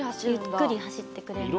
ゆっくり走ってくれます。